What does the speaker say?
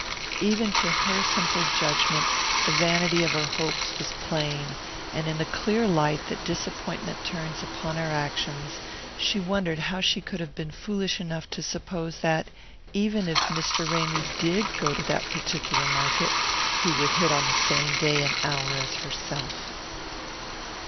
Even to her simple judgment the vanity of her hopes was plain, and in the clear light that disappointment turns upon our actions she wondered how she could have been foolish enough to suppose that, even if Mr. Ramy did go to that particular market, he would hit on the same day and hour as herself.